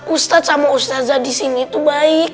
ustadz sama ustadzah di sini tuh baik